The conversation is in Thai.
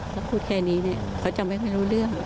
แล้วพูดแค่นี้เขาจะไม่รู้เรื่อง